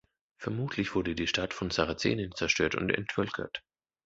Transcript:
Vermutlich wurde die Stadt von Sarazenen zerstört und entvölkert.